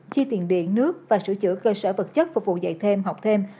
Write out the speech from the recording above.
chi tiền điện nước và sửa chữa cơ sở vật chất phục vụ dạy thêm học thêm